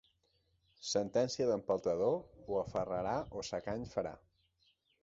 Sentència d'empeltador o aferrarà o secany farà.